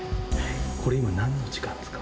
これ今なんの時間ですか？